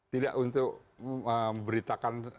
tidak untuk memberitakan